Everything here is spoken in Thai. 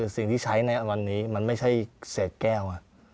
สิ่งที่ใช้ในวันนี้มันไม่ใช่เศษแก้ว